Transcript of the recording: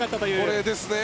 これですね。